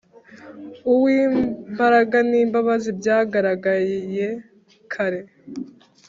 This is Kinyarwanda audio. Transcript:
Uw’ imbaraga n’ imbabazi byagaragiye kare,